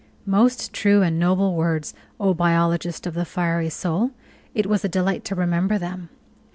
Most true and noble words, O biologist of the fiery soul! It was a delight to remember them.